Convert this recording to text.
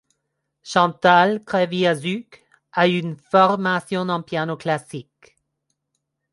Chantal Kreviazuk a une formation en piano classique.